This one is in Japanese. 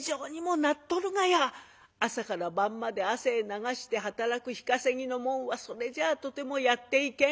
朝から晩まで汗流して働く日稼ぎの者はそれじゃあとてもやっていけん。